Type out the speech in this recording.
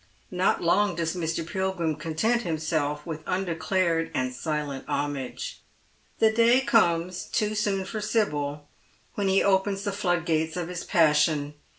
Not long does Mr. Pilgrim content himself with undeclared and silent homage. The day comes, too soon for Sibyl, when he opens the floodgates of his passion.